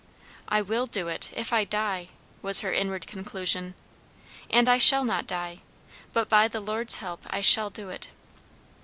"I will do it, if I die!" was her inward conclusion. "And I shall not die, but by the Lord's help I shall do it."